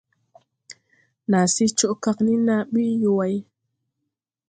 Naa se coʼ kag ni na bi yuway.